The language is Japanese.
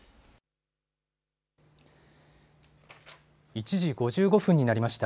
１時５５分になりました。